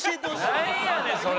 なんやねんそれ！